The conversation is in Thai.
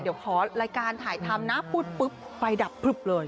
เดี๋ยวขอรายการถ่ายทำนะพูดปุ๊บไฟดับพลึบเลย